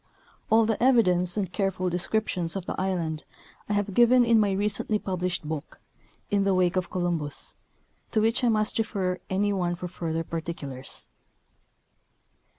All the evidence, and careful descriptions of the island, I have given in my recently published book. " In the Wake of Columbus/' to which I must refer any one for fur ther particulars.